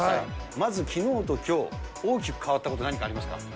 まずきのうときょう、大きく変わったこと、何かありますか？